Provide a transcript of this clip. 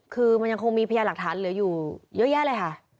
คือมันยังคงมีพยานหลักฐานเหลืออยู่เยอะแยะเลยค่ะ